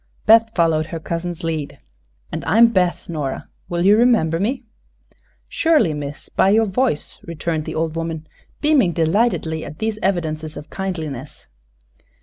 Beth followed her cousin's lead. "And I am Beth, Nora. Will you remember me?" "Surely, miss; by your voice," returned the old woman, beaming delightedly at these evidences of kindliness.